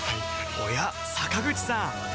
おや坂口さん